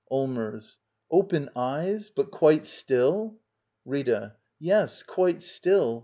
Allmers. Open eyes? But quite still? Rita. Yes, quite still.